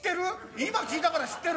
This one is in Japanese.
今聞いたから知ってる。